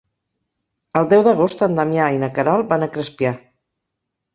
El deu d'agost en Damià i na Queralt van a Crespià.